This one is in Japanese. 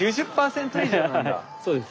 そうです。